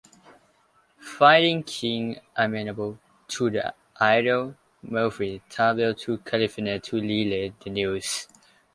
Finding King amenable to the idea, Murphy traveled to California to relay the news.